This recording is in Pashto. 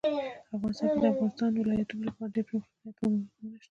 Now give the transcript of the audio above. افغانستان کې د د افغانستان ولايتونه لپاره دپرمختیا پروګرامونه شته.